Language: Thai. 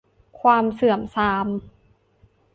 ความเสื่อมทราม